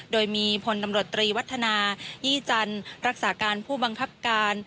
โดยมีพลตำรวจตรีวัฒนายี่จันทร์รักษาการผู้บังคับการ